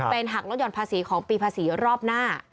เป็นหักลดห่อนภาษีของปีภาษีรอบหน้า